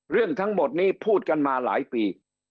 เรื่องทั้งหมดนี้พูดกันมาหลายปี